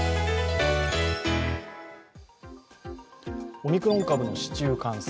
オミクロン株の市中感染。